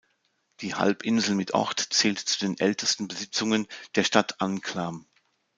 Die Halbinsel mit Ort zählte zu den ältesten Besitzungen der Stadt Anklam.